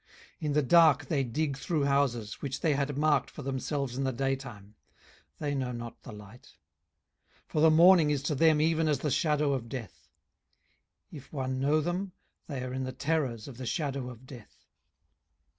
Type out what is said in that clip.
18:024:016 In the dark they dig through houses, which they had marked for themselves in the daytime: they know not the light. 18:024:017 For the morning is to them even as the shadow of death: if one know them, they are in the terrors of the shadow of death.